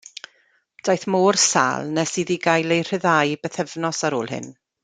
Daeth mor sâl nes iddi gael ei rhyddhau bythefnos ar ôl hyn.